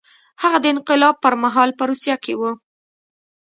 هغه د انقلاب پر مهال په روسیه کې و